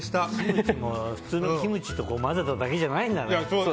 普通のキムチと混ぜただけじゃないんだね。